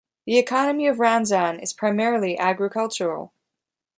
The economy of Ranzan is primarily agricultural.